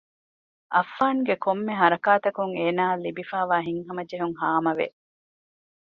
އައްފާންގެ ކޮންމެ ހަރަކާތަކުން އޭނާއަށް ލިބިފައިވާ ހިތްހަމަޖެހުން ހާމަވެ